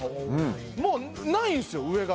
もうないんすよ上が。